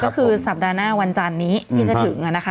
ก็คือสัปดาห์หน้าวันจันนี้ที่จะถึงนะคะ